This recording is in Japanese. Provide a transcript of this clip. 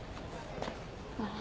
ああ。